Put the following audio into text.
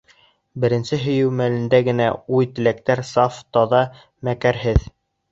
Беренсе һөйөү мәлендә генә уй-теләктәр саф, таҙа, мәкерһеҙ.